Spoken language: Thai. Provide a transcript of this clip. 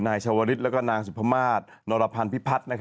ชาวริสและนางสุพมาศนรพันธ์พิพัฒน์